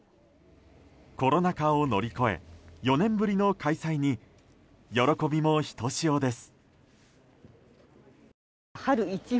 コロナ禍を乗り越え４年ぶりの開催に喜びもひとしおです。